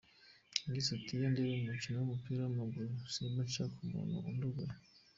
Yagize ati “Iyo ndeba umukino w’umupira w’amaguru, simba nshaka umuntu undogoya.